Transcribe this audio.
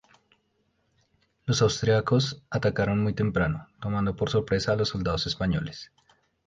Los austriacos atacaron muy temprano, tomando por sorpresa a los soldados españoles.